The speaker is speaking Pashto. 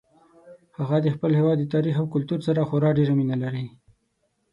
هغه د خپل هیواد د تاریخ او کلتور سره خورا ډیره مینه لري